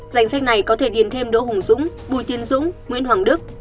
danh sách này có thể điền thêm đỗ hùng dũng bùi tiến dũng nguyễn hoàng đức